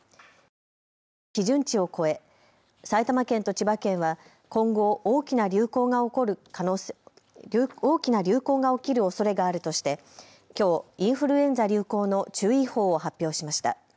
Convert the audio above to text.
いずれも基準値を超え埼玉県と千葉県は今後、大きな流行が起きるおそれがあるとしてきょう、インフルエンザ流行の注意報を発表しました。